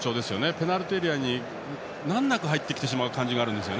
ペナルティーエリアに難なく入ってきてしまう感じがある。